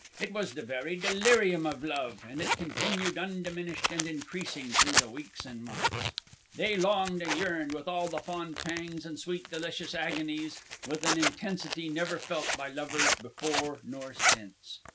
It was the very delirium of Love, and it continued undiminished and increasing through the weeks and months. "They longed and yearned, with all the fond pangs and sweet delicious agonies, with an intensity never felt by lovers before nor since.